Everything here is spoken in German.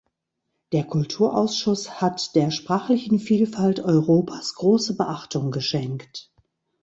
Der Kulturausschuss hat der sprachlichen Vielfalt Europas große Beachtung geschenkt.